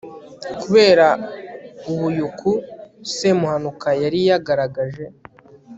kubera ubuyuku semuhanuka yari yagaragaje